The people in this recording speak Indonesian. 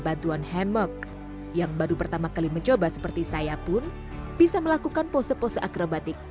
bantuan hemok yang baru pertama kali mencoba seperti saya pun bisa melakukan pose pose akrobatik